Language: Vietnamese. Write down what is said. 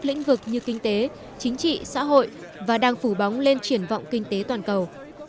lĩnh vực như kinh tế chính trị xã hội và đang phủ bóng lên triển vọng kinh tế toàn cầu